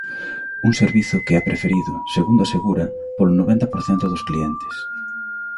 Un servizo que é preferido, segundo asegura, polo noventa por cento dos clientes.